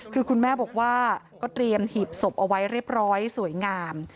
คือคุณแม่บอกว่าก็เตรียมหีบศพเอาไว้เรียบร้อยสวยงาม